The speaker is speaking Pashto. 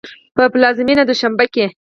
په پلازمېنه دوشنبه کې